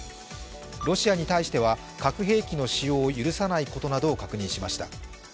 ロシアに対しては核兵器の使用を許さないことなどを確認しました。